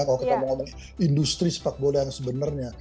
kalau kita mau ngomongin industri sepak bola yang sebenarnya